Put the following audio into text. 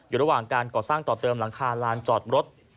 อยู่ระหว่างการก่อสร้างต่อเติมหลังคาลานจอดรถ